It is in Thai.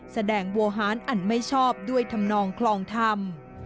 แสดงโวหารอันไม่ชอบด้วยธรรมนองคลองธรรม